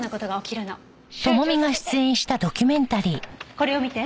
これを見て。